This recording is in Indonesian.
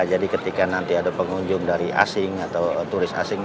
jadi ketika nanti ada pengunjung dari asing atau turis asing